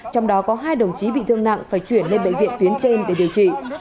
trong đó có hai đồng chí bị thương nặng phải chuyển lên bệnh viện tuyến trên để điều trị